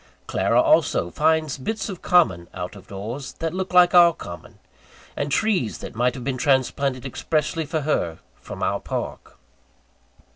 Clara, also, finds bits of common, out of doors, that look like our common; and trees that might have been transplanted expressly for her, from our park.